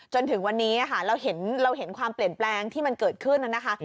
จนถึงวันนี้ค่ะเราเห็นความเปลี่ยนแปลงที่มันเกิดขึ้นนะคะ